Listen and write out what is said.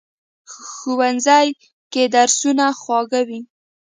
ښوونځی کې درسونه خوږ وي